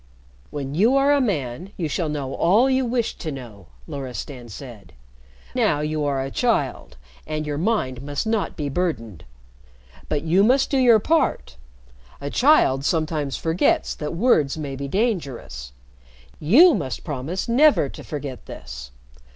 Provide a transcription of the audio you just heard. "When you are a man, you shall know all you wish to know," Loristan said. "Now you are a child, and your mind must not be burdened. But you must do your part. A child sometimes forgets that words may be dangerous. You must promise never to forget this.